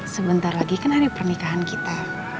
sebentar lagi kan hari pernikahan kita